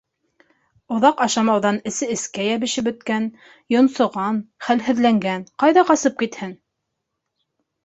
Оҙаҡ ашамауҙан эсе эскә йәбешеп бөткән, йонсоған, хәлһеҙләнгән, ҡайҙа ҡасып китһен.